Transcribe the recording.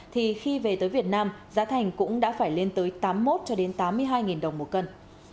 thì khi về tới việt nam giá thành cũng đã phải lên tới tám mươi một tám mươi hai nghìn đồng mỗi cân